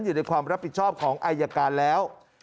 อยู่ในความรับผิดชอบของอายการแล้ว